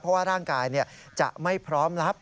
เพราะว่าร่างกายจะไม่พร้อมรับ